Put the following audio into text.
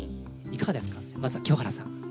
まずは清原さん。